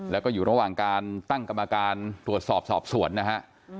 แล้วก็อยู่ระหว่างการตั้งกรรมการตรวจสอบสอบสวนนะฮะ